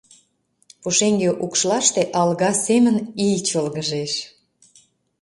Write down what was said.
Пушеҥге укшлаште алга семын ий чолгыжеш.